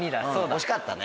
惜しかったね。